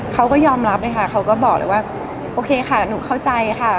เขาก็ยอมรับเลยค่ะเขาก็บอกเลยว่าโอเคค่ะหนูเข้าใจค่ะ